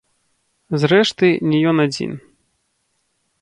Зрэшты, не ён адзін.